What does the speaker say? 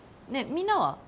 みんなは？